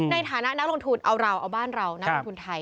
ในฐานะนักลงทุนเอาเราเอาบ้านเรานักลงทุนไทย